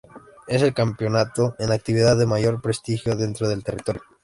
Es el campeonato en actividad de mayor prestigio dentro del territorio.